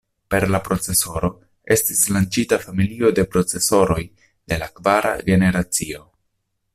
Per la procesoro estis lanĉita familio de procesoroj de la kvara generacio.